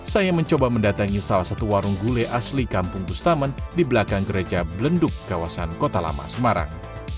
saya mencoba mendatangi salah satu warung gulai asli kampung bustaman di belakang gereja belenduk kawasan kota lama semarang